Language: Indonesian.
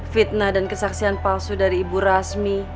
fitnah dan kesaksian palsu dari ibu rasmi